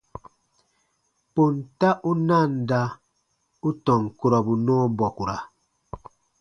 Ponta u nanda u tɔn kurɔbu nɔɔ bɔkura.